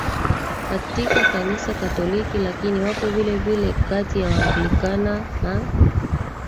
katika Kanisa Katolik Lakini wako vilevile kati ya Waanglikana na